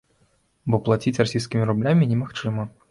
Бо плаціць расійскімі рублямі немагчыма.